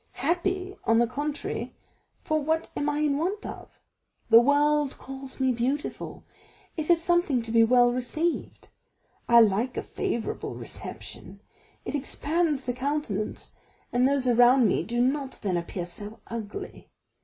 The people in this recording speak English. Happy, on the contrary, for what am I in want of? The world calls me beautiful. It is something to be well received. I like a favorable reception; it expands the countenance, and those around me do not then appear so ugly.